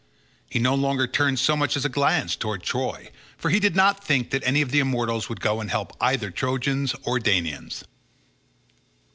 He no longer turned so much as a glance towards Troy, for he did not think that any of the immortals would go and help either Trojans or Danaans.